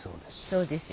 そうです。